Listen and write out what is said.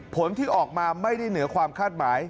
ผลที่ออกมาไม่ได้เหนือความคาดหมาย